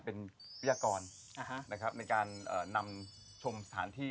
เป็นพยากรในการนำชมสถานที่